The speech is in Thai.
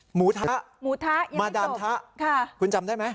หมูทะมาดำทะคุณจำได้ไหม